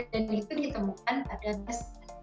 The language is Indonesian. dan itu ditemukan pada beras